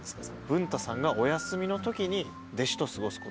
文太さんがお休みのときに弟子と過ごすこととかも。